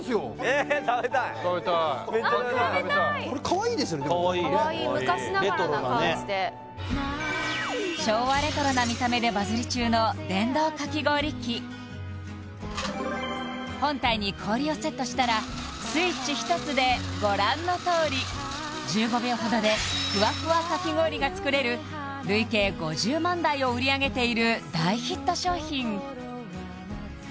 食べたいあっ食べたいかわいいレトロなねかわいい昔ながらな感じで昭和レトロな見た目でバズり中の電動かき氷器本体に氷をセットしたらスイッチ一つでご覧のとおり１５秒ほどでふわふわかき氷が作れる累計５０万台を売り上げている大ヒット商品！